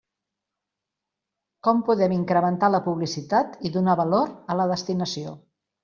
Com podem incrementar la publicitat i donar valor a la destinació.